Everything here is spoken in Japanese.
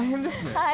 はい。